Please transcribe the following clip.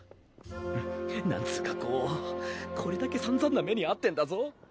うんなんつぅかこうこれだけさんざんな目に遭ってんだぞ。